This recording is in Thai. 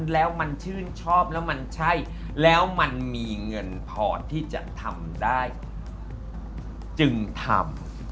แล้วมันชื่นชอบแล้วมันใช่แล้วมันมีเงินพอที่จะทำได้จึงทำ